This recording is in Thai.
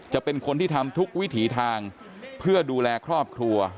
จะเป็นคนที่ทำทุกวิถีทางเพื่อดูแลครอบครัว